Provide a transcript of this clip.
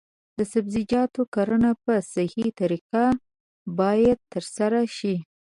د سبزیجاتو کرنه په صحي طریقه باید ترسره شي.